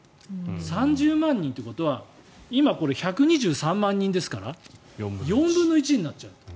３０万人ということは今、１２３万人ですから４分の１になっちゃう。